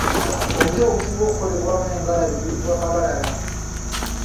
Omuti ogusinga okukolebwamu engalabi guyitibwa Kabalara.